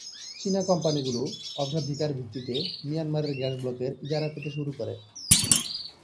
চীনা কোম্পানিগুলো অগ্রাধিকার ভিত্তিতে মিয়ানমারের গ্যাস ব্লকের ইজারা পেতে শুরু করে।